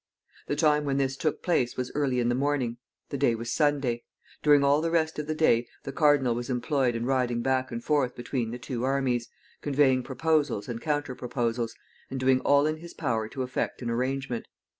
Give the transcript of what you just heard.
The time when this took place was early in the morning. The day was Sunday. During all the rest of the day the cardinal was employed in riding back and forth between the two armies, conveying proposals and counter proposals, and doing all in his power to effect an arrangement.